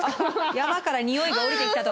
山からにおいが下りてきたと。